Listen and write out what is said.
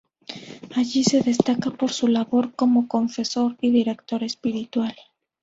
Allí destaca por su labor como confesor y director espiritual.